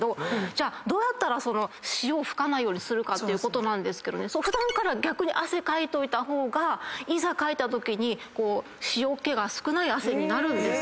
じゃどうやったら塩をふかないようにするかってことですけど普段から逆に汗かいといた方がいざかいたときに塩っ気が少ない汗になるんですけど。